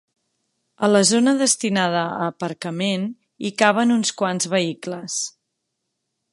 A la zona destinada a aparcament hi caben uns quants vehicles.